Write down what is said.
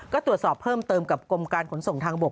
ก็ตรวจสอบเพิ่มเติมกับกรมการขนส่งทางบก